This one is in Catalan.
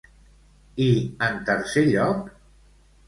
I en tercer lloc?